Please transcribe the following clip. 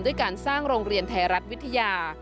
ด้วยการสร้างโรงเรียนไทยรัฐวิทยา